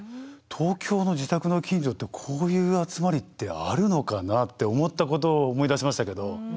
東京の自宅の近所ってこういう集まりってあるのかなって思ったことを思い出しましたけど。